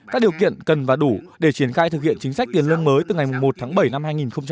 các điều kiện cần và đủ để triển khai thực hiện chính sách tiền lương mới từ ngày một tháng bảy năm hai nghìn hai mươi